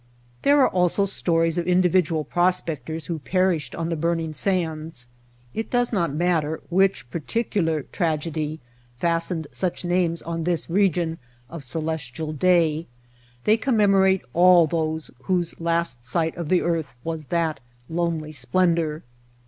There are also stories of individual prospectors who perished on the burning sands. It does not matter which par ticular tragedy fastened such names on this region of celestial day, they commemorate all whose last sight of the earth was that lonely splendor.